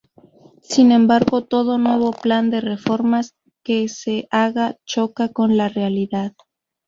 Sin embargo, todo nuevo plan de reformas que se haga choca con la realidad.